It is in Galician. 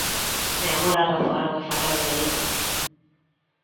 E agora razoaron e falaron e viron.